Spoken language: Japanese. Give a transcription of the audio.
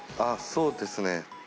そうですね。